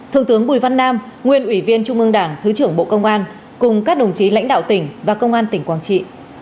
thượng tướng bùi văn nam nguyên ủy viên trung ương đảng thứ trưởng bộ công an cùng các đồng chí lãnh đạo tỉnh và công an tỉnh quảng trị